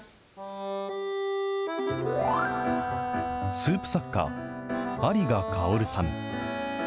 スープ作家、有賀薫さん。